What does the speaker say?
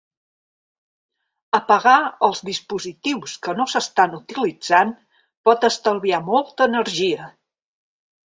Apagar els dispositius que no s'estan utilitzant pot estalviar molta energia.